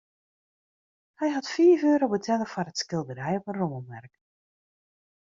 Hy hat fiif euro betelle foar it skilderij op in rommelmerk.